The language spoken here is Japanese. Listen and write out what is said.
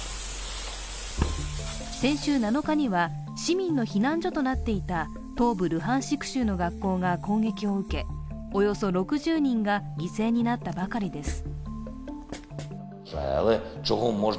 先週７日には、市民の避難所となっていた東部ルハンシク州の学校が攻撃を受け、およそ６０人が犠牲になったばかりです。